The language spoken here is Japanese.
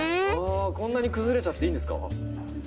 こんなに崩れちゃっていいんですか？